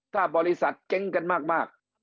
ถ้าบริษัทเจ๊งกันมาก